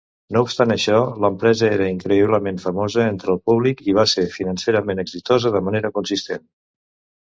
No obstant això, l'empresa era increïblement famosa entre el públic i va ser financerament exitosa de manera consistent.